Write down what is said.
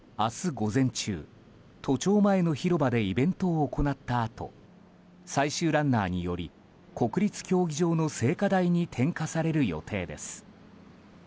午前中都庁前の広場でイベントを行ったあと最終ランナーにより国立競技場の聖火台に点火される予定です。